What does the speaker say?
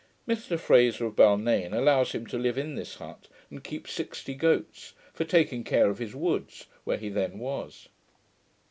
Mr Fraser of Balnain allows him to live in this hut, and keep sixty goats, for taking care of his woods, where he then was.